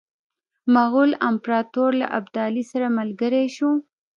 مغول امپراطور له ابدالي سره ملګری شو.